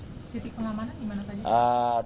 titik pengamanan di mana saja